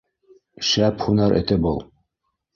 Шәп һунар эте был!